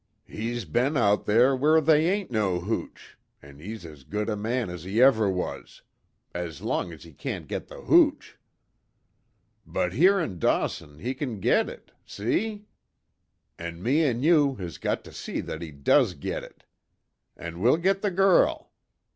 He's be'n out there where they ain't no hooch, an' he's as good a man as he ever was as long as he can't git the hooch. But here in Dawson he kin git it see? An' me an' you has got to see that he does git it. An' we'll git the girl.